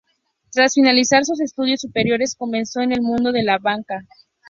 Tras finalizar sus estudios superiores, comenzó en el mundo de la banca.